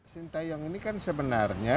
shin taeyong ini kan sebenarnya